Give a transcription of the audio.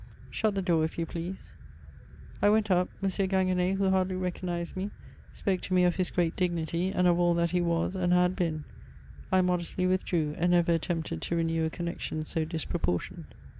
Shut the door, if you please." I went up ; M. Ginguen^, who hardly recognised me, spoke to n^e of his g^at dignity, and of all that he was, and had been. I modestly withdrew, and never attempted to renew a connexion so disproportioned.